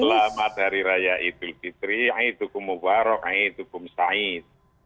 selamat hari raya idul fitri a'idukum mubarak a'idukum sa'id